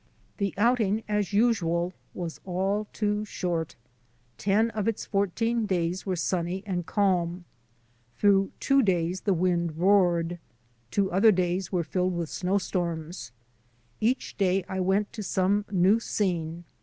This outing, as usual, was all too short. Ten of its fourteen days were sunny and calm. Through two days the wind roared. Two other days were filled with snowstorms. Each day I went to some new scene.